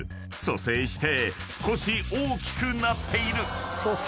［蘇生して少し大きくなっている］